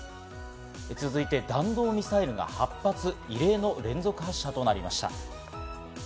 続いて弾道ミサイルが８発、異例の連続発射となりました。